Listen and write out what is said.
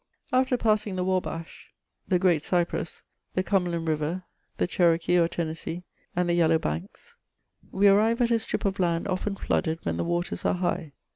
After passing the Wabach, the g^at Cypress, the Cumberland River, the Cherokee or Tenessee, and the Yellow Banks, we arrive at a strip of land often flooded when the waters are high.